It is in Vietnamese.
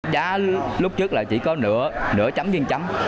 giá lúc trước là chỉ có nửa nửa chấm riêng chấm